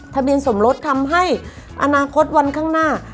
ทะเบียนสมรสทำให้อนาคตวันข้างหน้า